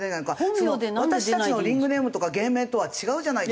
私たちのリングネームとか芸名とは違うじゃないですか。